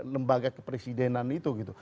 lembaga kepresidenan itu gitu